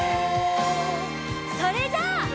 それじゃあ。